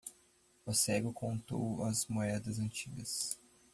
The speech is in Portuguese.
O cego contou as moedas antigas.